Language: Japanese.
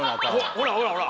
ほらほらほら！